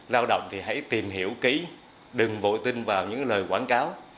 lao động thì hãy tìm hiểu kỹ đừng vội tin vào những lời quảng cáo